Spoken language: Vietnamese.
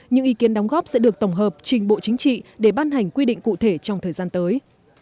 những ý kiến đóng góp sẽ được tổng hợp trình bộ chính trị để ban hành quy định cụ thể trong thời gian tới